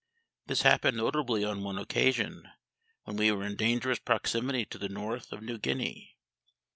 This happened notably on one occasion, when we were in dangerous proximity to the north of New Guinea.